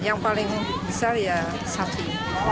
yang paling besar ya sapi